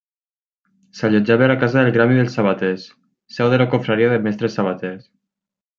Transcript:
S'allotjava a la Casa del Gremi dels Sabaters, seu de la confraria de mestres sabaters.